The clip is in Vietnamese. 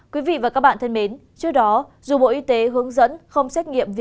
quý vị và các bạn thân mến trước đó dù bộ y tế hướng dẫn không xét nghiệm